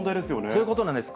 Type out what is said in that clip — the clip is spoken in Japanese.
そういうことなんです。